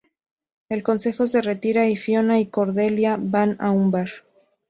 El Consejo se retira, y Fiona y Cordelia van a un bar.